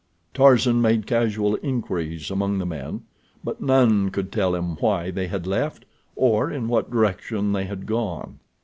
Tarzan made casual inquiries among the men, but none could tell him why they had left, or in what direction they had gone.